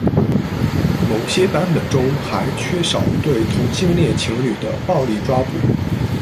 某些版本中还缺少对同性恋情侣的暴力抓捕。